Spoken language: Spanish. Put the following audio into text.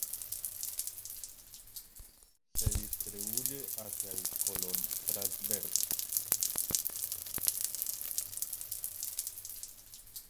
Se distribuye hacia el colon transverso.